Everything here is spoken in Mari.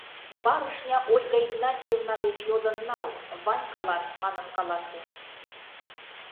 Барышня Ольга Игнатьевна деч йодын нал — Ванькалан, манын каласе».